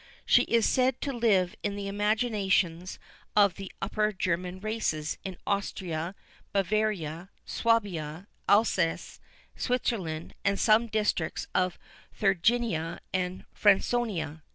She is said to live in the imaginations of the upper German races in Austria, Bavaria, Swabia, Alsace, Switzerland, and some districts of Thuringia and Franconia.